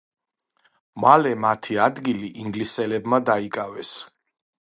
მალე მათი ადგილი ინგლისელებმა დაიკავეს.